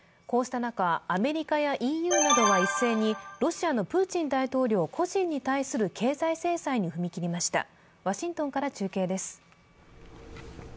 こうした中、アメリカやＥＵなどは一斉にロシアのプーチン大統領個人に対する経済制裁に踏み切りました。